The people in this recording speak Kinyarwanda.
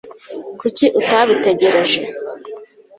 kuki utabitekereje